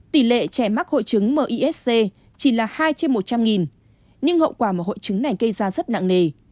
tỷ lệ trẻ mắc hội chứng misc chỉ là hai trên một trăm linh nhưng hậu quả mà hội chứng này gây ra rất nặng nề